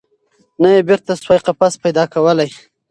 نه یې بیرته سوای قفس پیدا کولای